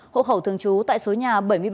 hộ khẩu thường trú tại số nhà bảy mươi bảy